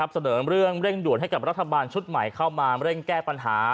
เสนอเรื่องเร่งด่วนให้กับรัฐบาลชุดใหม่เข้ามาเร่งแก้ปัญหา